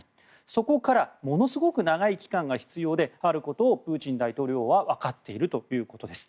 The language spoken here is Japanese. そこからものすごく長い期間が必要であることをプーチン大統領はわかっているということです。